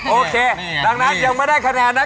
โอเคดังนั้นยังไม่ได้คะแนนนะ